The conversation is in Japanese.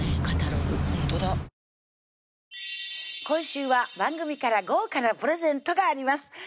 今週は番組から豪華なプレゼントがあります